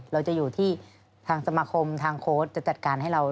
เราจะอยู่ที่ทางสมาคมทางโค้ชจะจัดการให้เรา